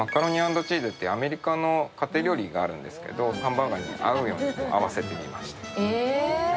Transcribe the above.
アメリカの家庭料理があるんですけど、ハンバーガーに合うように合わせてみました。